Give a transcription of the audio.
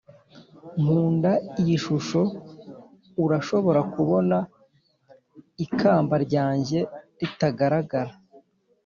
nkunda iyi shusho; urashobora kubona ikamba ryanjye ritagaragara?